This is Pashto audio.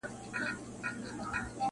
حقيقت ورو ورو پټيږي ډېر ژر,